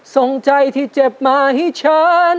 ส่งใจที่เจ็บมาให้ฉัน